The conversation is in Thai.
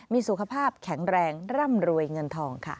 มีสุขภาพแข็งแรงร่ำรวยเงินทองค่ะ